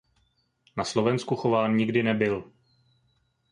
Na Slovensku chován nikdy nebyl.